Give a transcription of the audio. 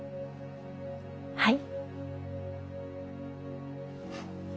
はい。